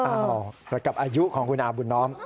อ้าวแล้วกับอายุของคุณอาบุญน้อม